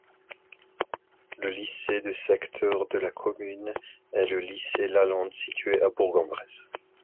Le lycée de secteur de la commune est le Lycée Lalande, situé à Bourg-en-Bresse.